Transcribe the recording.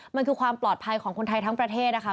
มันคือความปลอดภัยของคนไทยทั้งประเทศนะคะ